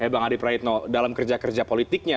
bang adi praitno dalam kerja kerja politiknya